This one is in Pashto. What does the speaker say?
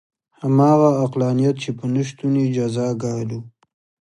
همغه عقلانیت چې په نه شتون یې جزا ګالو.